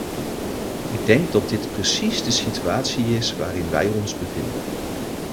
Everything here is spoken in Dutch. Ik denk dat dit precies de situatie is waarin wij ons bevinden.